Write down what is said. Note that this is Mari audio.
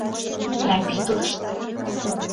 Грабитлышт!